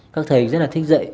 các thầy rất là thích dạy